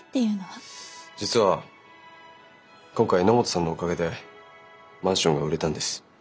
実は今回榎本さんのおかげでマンションが売れたんです。